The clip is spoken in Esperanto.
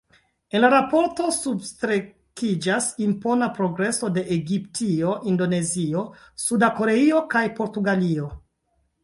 En la raporto substrekiĝas impona progreso de Egiptio, Indonezio, Suda Koreio kaj Portugalio.